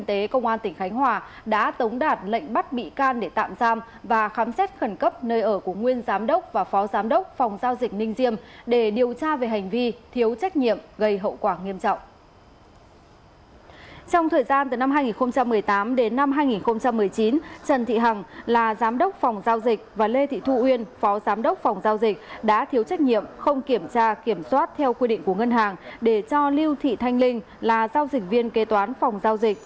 trong thời gian từ năm hai nghìn một mươi tám đến năm hai nghìn một mươi chín trần thị hằng là giám đốc phòng giao dịch và lê thị thu uyên phó giám đốc phòng giao dịch đã thiếu trách nhiệm không kiểm tra kiểm soát theo quy định của ngân hàng để cho lưu thị thanh linh là giao dịch viên kế toán phòng giao dịch